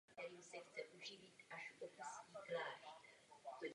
Vhodné úkryty a dostatek větví k lezení by měly být samozřejmostí.